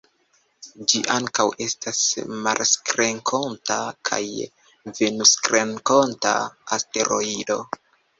Ĝi ankaŭ estas marsrenkonta kaj venusrenkonta asteroido.